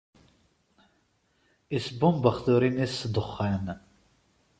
Isbumbex turin-is s ddexxan.